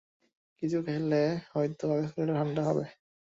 কিছু খেলে হয়তো পাকস্থলীটা ঠাণ্ডা হবে।